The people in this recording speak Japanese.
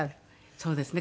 そうですね。